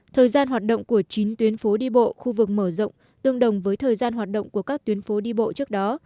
thời gian hoạt động của chín tuyến phố đi bộ khu vực mở rộng tương đồng với thời gian hoạt động của các tuyến phố đi bộ trước đó